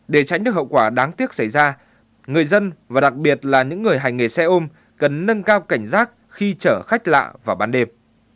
để tránh được hậu quả đáng tiếc xảy ra người dân và đặc biệt là những người hành nghề xe ôm cần nâng cao cảnh giác khi chở khách lạ vào ban đêm